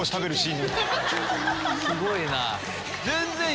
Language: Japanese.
すごいな。